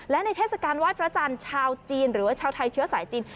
และในเทศกาลไหว้พระจันทร์ชาวจีนหรือว่าชาวไทยเชื้อสายจีน